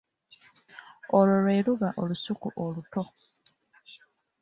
Olwo lwe luba olusuku oluto.